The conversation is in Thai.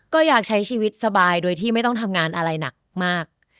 ก็อยากใช้ชีวิตสบายโดยที่ไม่ต้องทำงานอะไรหนักมาก